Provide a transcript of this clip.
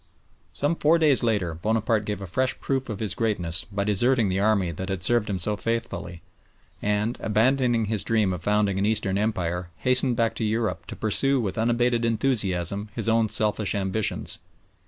Some four days later Bonaparte gave a fresh proof of his greatness by deserting the army that had served him so faithfully, and, abandoning his dream of founding an Eastern Empire, hastened back to Europe to pursue with unabated enthusiasm his own selfish ambitions.